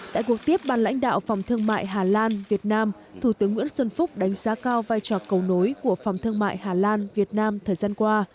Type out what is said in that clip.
tại cuộc tiếp ban lãnh đạo phòng thương mại hà lan việt nam thủ tướng nguyễn xuân phúc đánh giá cao vai trò cầu nối của phòng thương mại hà lan việt nam thời gian qua